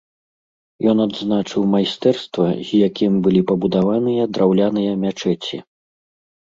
Ён адзначыў майстэрства, з якім былі пабудаваныя драўляныя мячэці.